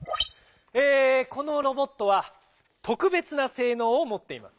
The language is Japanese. えこのロボットはとくべつなせいのうをもっています。